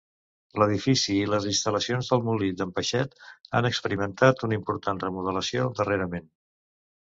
L'edifici i les instal·lacions del molí d'en Peixet han experimentat una important remodelació darrerament.